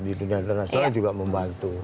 di dunia internasional juga membantu